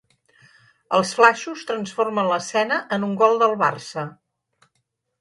Els flaixos transformen l'escena en un gol del Barça.